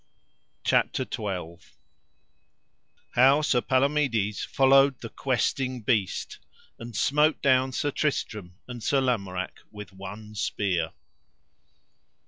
CHAPTER XII. How Sir Palomides followed the Questing Beast, and smote down Sir Tristram and Sir Lamorak with one spear.